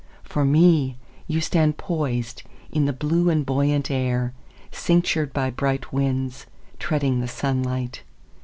For me, You stand poisedIn the blue and buoyant air, Cinctured by bright winds, Treading the sunlight.